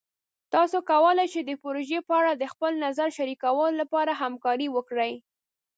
تاسو کولی شئ د پروژې په اړه د خپل نظر شریکولو لپاره همکاري وکړئ.